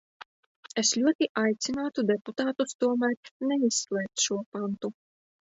Es ļoti aicinātu deputātus tomēr neizslēgt šo pantu.